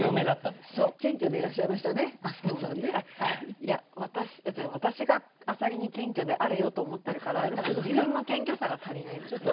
いや私が浅蜊に「謙虚であれよ」と思ってるから多分自分の謙虚さが足りないんですね。